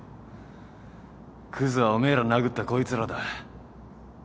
クズはおめえら殴ったこいつらだ。